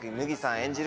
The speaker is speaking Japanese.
演じる